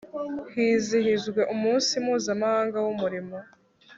hizihijwe umunsi mpuzamahanga w'umurimo